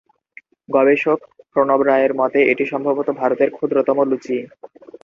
গবেষক প্রণব রায়ের মতে এটি সম্ভবত ভারতের ক্ষুদ্রতম লুচি।